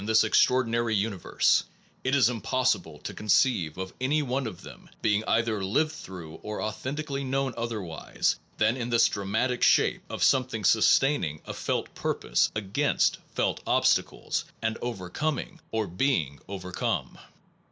and * ef ^ nis extraordinary universe it is im P oss ible to conceive of any one of coincide them being either lived through or authentically known otherwise than in this dramatic shape of something sustaining a felt purpose against felt obstacles, and overcoming or being overcome.